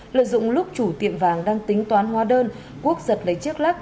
lợi dụng lúc chủ tiệm vàng đang tính toán hóa đơn quốc giật lấy chiếc lắc